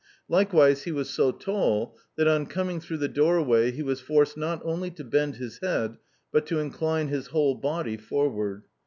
Likewise he was so tall that, on coming through the doorway, he was forced not only to bend his head, but to incline his whole body forward.